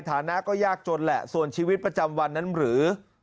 ฐานะก็ยากจนแหละส่วนชีวิตประจำวันนั้นหรือ